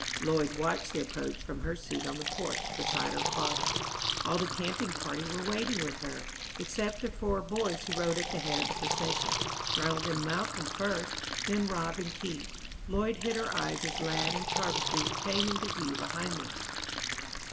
Lloyd watched the approach from her seat on the porch beside her father. All the camping party were waiting with her, except the four boys who rode at the head of the procession, Ranald and Malcolm first, then Rob and Keith. Lloyd hid her eyes as Lad and Tarbaby came into view behind them.